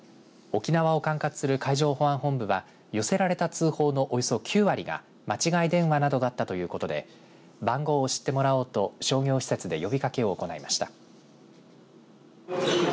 沖縄を管轄する海上保安本部は寄せられた通報のおよそ９割が間違い電話などだったということで番号を知ってもらおうと商業施設で呼びかけを行いました。